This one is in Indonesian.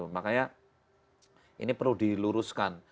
makanya ini perlu diluruskan